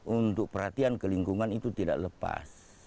untuk perhatian ke lingkungan itu tidak lepas